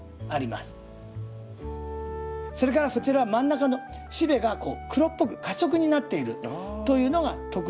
それからそちらは真ん中のしべが黒っぽく褐色になっているというのが特徴のサニーサイド。